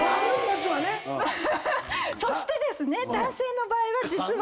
そしてですね男性の場合は実は。